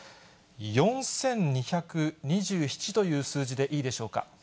４２２７という数字でいいでしょうか。